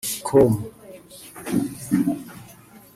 com)